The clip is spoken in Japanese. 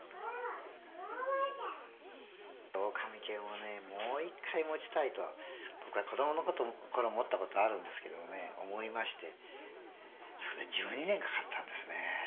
オオカミ犬をもう１回持ちたいと子供のころ思ったことがあるんですけどもね思いましてそれで１２年かかったんですね。